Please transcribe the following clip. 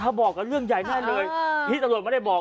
ถ้าบอกกันเรื่องใหญ่แน่เลยที่ตำรวจไม่ได้บอก